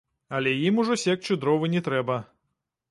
Але ім ужо секчы дровы не трэба.